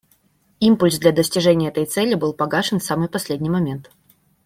Импульс для достижения этой цели был погашен в самый последний момент.